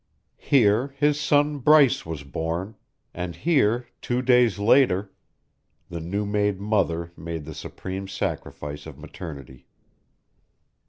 Here his son Bryce was born, and here, two days later, the new made mother made the supreme sacrifice of maternity.